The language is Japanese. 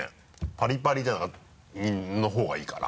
パリパリのほうがいいから。